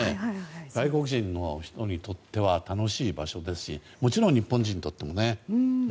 外国人の人にとっては楽しい場所ですしもちろん日本人にとってもね。